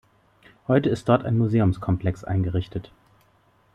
Heute ist dort ein Museumskomplex eingerichtet.